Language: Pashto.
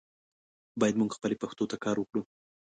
باید مونږ خپلې پښتو ته کار وکړو.